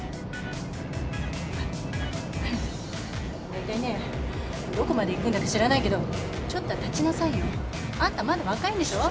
だいたいねどこまで行くんだか知らないけどちょっとは立ちなさいよ。あんたまだ若いんでしょ？